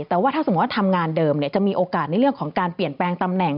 แต่ว่าถ้าสมมุติว่าทำงานเดิมจะมีโอกาสในเรื่องของการเปลี่ยนแปลงตำแหน่ง